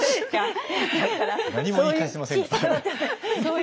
何も言い返せませんね。